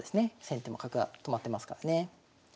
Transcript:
先手も角が止まってますからね。